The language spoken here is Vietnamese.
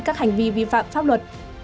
các hành vi vô tư